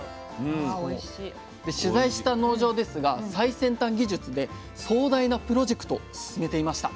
で取材した農場ですが最先端技術で壮大なプロジェクト進めていました。